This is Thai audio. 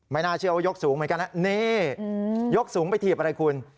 น่าเชื่อว่ายกสูงเหมือนกันนะนี่ยกสูงไปถีบอะไรคุณ